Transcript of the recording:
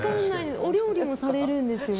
お料理もされるんですよね？